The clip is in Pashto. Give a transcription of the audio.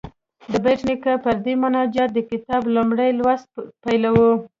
د بېټ نیکه پر دې مناجات د کتاب لومړی لوست پیلوو.